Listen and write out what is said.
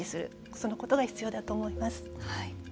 そのことが必要だと思います。